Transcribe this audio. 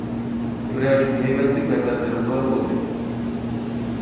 كۈرەش ھەيۋەتلىك ۋە تەسىرى زور بولدى.